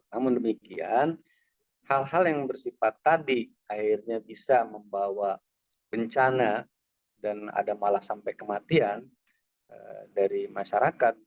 namun demikian hal hal yang bersifat tadi akhirnya bisa membawa bencana dan ada malah sampai kematian dari masyarakat